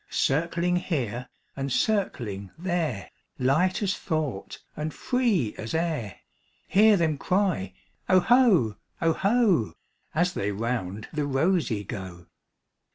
Circling here and circling there, Light as thought and free as air, Hear them cry, "Oho, oho,"As they round the rosey go.